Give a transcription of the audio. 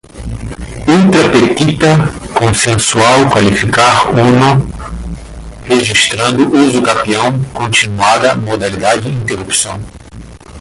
ultra petita, concensual, qualificar, uno, registrando, usucapião, continuada, modalidade, interrupção